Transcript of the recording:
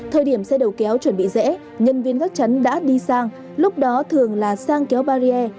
thời điểm xe đầu kéo chuẩn bị rẽ nhân viên gắt chắn đã đi sang lúc đó thường là sang kéo barrier